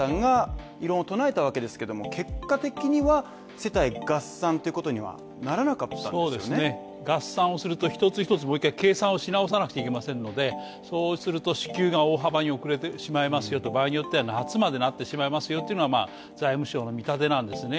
その１８歳以下への給付なんですけども合算をすると一つ一つもう１回計算をし直さなくちゃいけませんので、そうすると支給が大幅に遅れてしまいますよと場合によっては夏までなってしまいますよというのは財務省の見立てなんですね